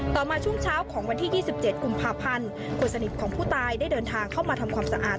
ต่อมาช่วงเช้าของวันที่๒๗กุมภาพันธ์คนสนิทของผู้ตายได้เดินทางเข้ามาทำความสะอาด